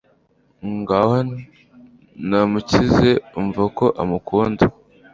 Ngaho namukize umva ko amukunda